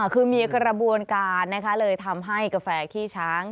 คือมีกระบวนการนะคะเลยทำให้กาแฟขี้ช้าง